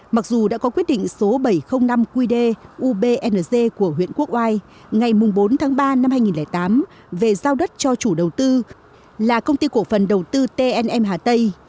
mặc dù đã có quyết định số bảy trăm linh năm qd ubnz của huyện quốc oai ngày bốn tháng ba năm hai nghìn tám về giao đất cho chủ đầu tư là công ty cổ phần đầu tư tn hà tây